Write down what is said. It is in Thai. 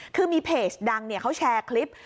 คือมีเพจดังเขาแชร์คลิป